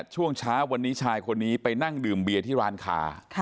ช่วงเช้าวันนี้ชายคนนี้ไปนั่งดื่มเบียร์ที่ร้านค้า